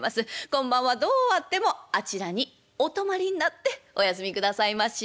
今晩はどうあってもあちらにお泊まりになってお休みくださいまし」。